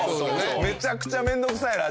めちゃくちゃ面倒くさいらしいよ。